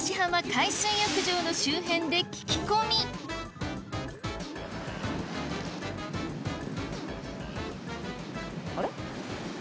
海水浴場の周辺で聞き込みあれ？